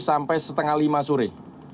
sampai setengah lima sore